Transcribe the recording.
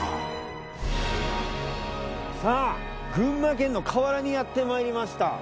群馬県の河原にやってまいりました。